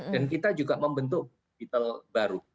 dan kita juga membentuk digital baru